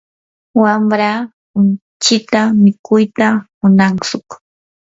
wamraa unchikta mikuyta munantsu.